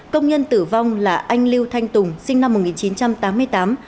công nhân tử vong là anh lưu thanh tùng sinh năm một nghìn chín trăm chín mươi